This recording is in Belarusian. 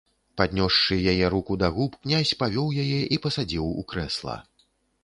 Паднёсшы яе руку да губ, князь павёў яе і пасадзіў у крэсла.